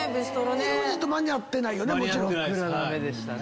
ＥＸＩＴ間に合ってないよね？